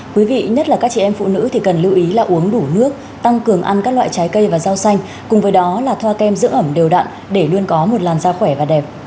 quý vị nhất là các chị em phụ nữ thì cần lưu ý là uống đủ nước tăng cường ăn các loại trái cây và rau xanh cùng với đó là thoa kem dưỡng ẩm đều đặn để luôn có một làn da khỏe và đẹp